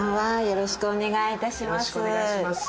よろしくお願いします。